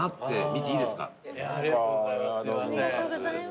ありがとうございます。